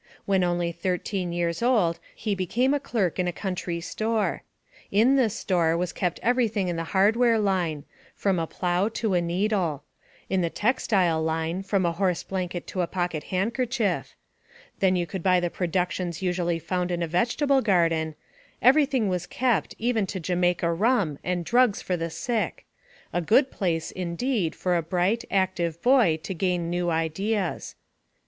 When only thirteen years old he became a clerk in a country store. In this store was kept everything in the hardware line, from a plow to a needle; in the textile line, from a horse blanket to a pocket handkerchief; then you could buy the productions usually found in a vegetable garden, everything was kept, even to Jamaica rum and drugs for the sick; a good place, indeed, for a bright, active boy to gain new ideas.